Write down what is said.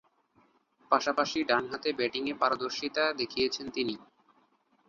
পাশাপাশি ডানহাতে ব্যাটিংয়ে পারদর্শীতা দেখিয়েছেন তিনি।